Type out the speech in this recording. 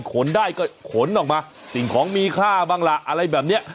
ขนได้ก็ขนออกมาสิ่งของมีค่าบ้างล่ะอะไรแบบนี้